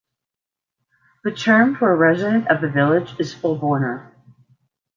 The term for a resident of the village is "Fulbourner".